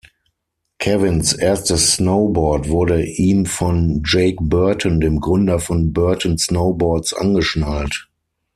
Kevins erstes Snowboard wurde ihm von Jake Burton, dem Gründer von Burton Snowboards angeschnallt.